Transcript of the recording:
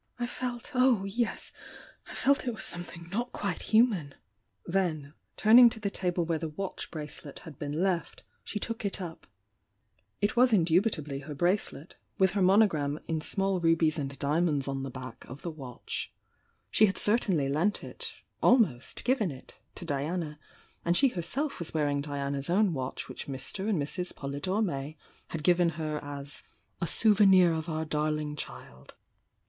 "I felt— oh, yes!— I felt it was something not quite human!" "Then, turning to the table where the watch brace let had been left, she took it up. It was indubitably her bracelet, with her monogram in small rubies and THE YOUNG DIANA 829 diamonds on the back of the watch. She had cer tainly lent it — almost given it — to Diana, and she herself was wearing Diana's own watch which Mr. and Mrs. Polydore May had given her as "a souve nir of our darling child!"